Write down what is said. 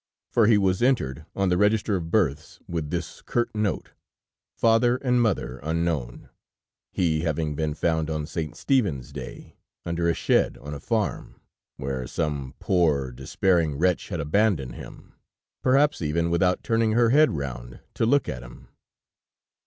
For he was entered on the register of births with this curt note: Father and mother unknown; he having been found on St. Stephen's Day under a shed on a farm, where some poor, despairing wretch had abandoned him, perhaps even without turning her head round to look at him.